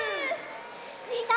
みんな！